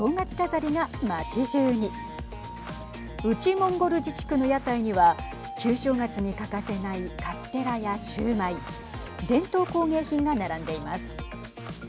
モンゴル自治区の屋台には旧正月に欠かせないカステラやシューマイ伝統工芸品が並んでいます。